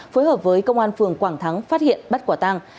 phối hợp với công an phường quảng thắng phát hiện bắt quả tang